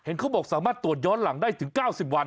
นี่เขาบอกสามารถตรวจย้อนหลังได้ถึงเก้าสิบวัน